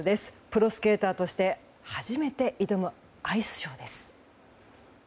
プロスケーターとして初めて挑むアイスショーです。